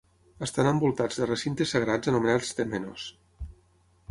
Estan envoltats de recintes sagrats anomenats tèmenos.